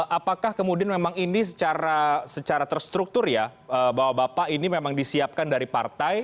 apakah kemudian memang ini secara terstruktur ya bahwa bapak ini memang disiapkan dari partai